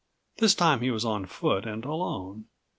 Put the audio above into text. This time he was on foot and alone.